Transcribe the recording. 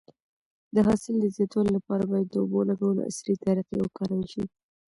د حاصل د زیاتوالي لپاره باید د اوبو لګولو عصري طریقې وکارول شي.